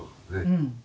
うん。